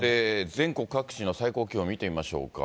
全国各地の最高気温見てみましょうか。